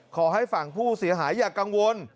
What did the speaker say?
ขอให้ฝั่งผู้เสียหายอย่ากังวล